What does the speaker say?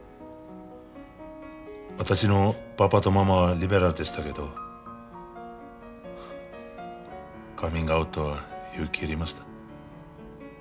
私のパパとママはリベラルでしたけどカミングアウトは勇気いりました。